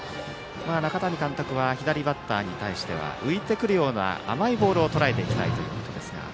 中谷監督は左バッターに対しては浮いてくるような甘いボールをとらえていきたいということですが。